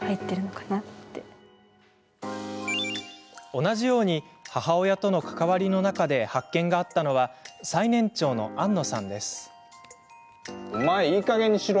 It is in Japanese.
同じように母親との関わりの中で発見があったのは最年長の、あんのさんです。